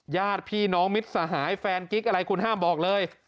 ญาติพี่น้องมิตรสหายแฟนกิ๊กอะไรคุณห้ามบอกเลย